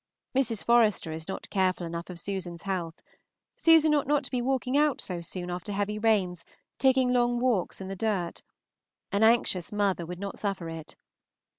Mrs. Forester is not careful enough of Susan's health. Susan ought not to be walking out so soon after heavy rains, taking long walks in the dirt. An anxious mother would not suffer it.